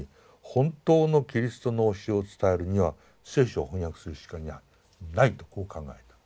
本当のキリストの教えを伝えるには聖書を翻訳するしかないとこう考えた。